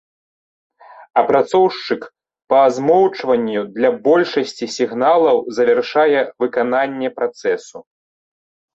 Апрацоўшчык па змоўчванню для большасці сігналаў завяршае выкананне працэсу.